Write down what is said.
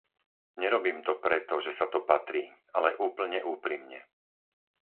Nerobím to preto, že sa to patrí, ale úplne úprimne.